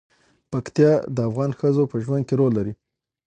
پکتیا د افغان ښځو په ژوند کې رول لري.